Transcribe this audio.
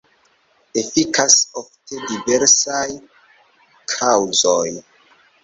Efikas ofte diversaj kaŭzoj.